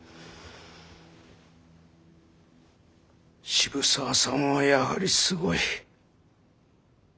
渋沢さんはやはりすごい。